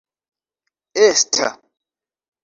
esta